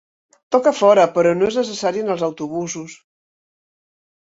Toca fora però no és necessari en els autobusos.